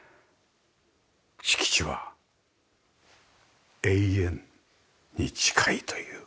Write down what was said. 敷地は「永遠」に近いというか。